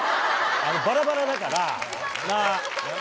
バラバラだから。